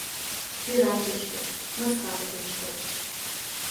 Пират ыш коч, маскат ыш коч